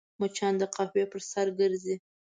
مچان د قهوې پر سر ګرځي